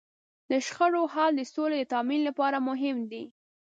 د شخړو حل د سولې د تامین لپاره مهم دی.